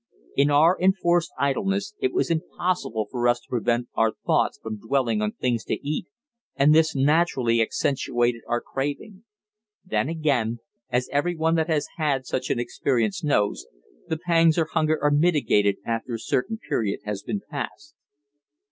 In our enforced idleness it was impossible for us to prevent our thoughts from dwelling on things to eat, and this naturally accentuated our craving. Then, again, as everyone that has had such an experience knows, the pangs of hunger are mitigated after a certain period has been passed.